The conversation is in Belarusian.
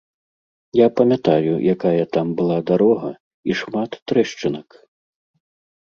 Я памятаю, якая там была дарога, і шмат трэшчынак.